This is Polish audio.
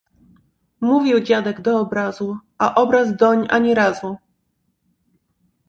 Mówił dziadek do obrazu, a obraz doń ani razu.